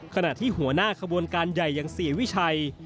ขณะที่หัวหน้าขบวนการใหญ่อย่างเสียวิชัย